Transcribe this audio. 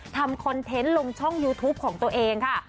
คอนเทนต์ลงช่องยูทูปของตัวเองค่ะ